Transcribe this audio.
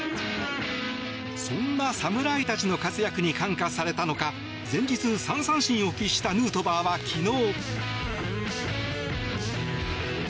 そんな侍たちの活躍に感化されたのか前日３三振を喫したヌートバーは昨日。